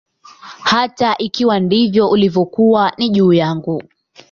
Hata ikiwa ndivyo ilivyokuwa, ni juu yangu.